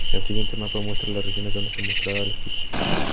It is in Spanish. El siguiente mapa muestra las regiones donde se mostrara el eclipse.